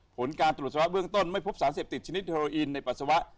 ผลการตรวจสวะเบื้องต้นไม่พบสารเสพติดชนิดเฮโรอีนในปัสสาวะ